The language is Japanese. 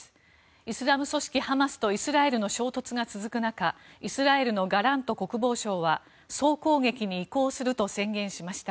イスラム組織ハマスとイスラエルの衝突が続く中イスラエルのガラント国防相は総攻撃に移行すると宣言しました。